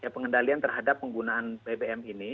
pengendalian terhadap penggunaan bbm ini